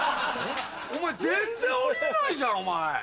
全然降りれないじゃんお前！